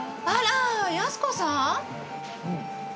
あら。